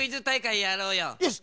よし！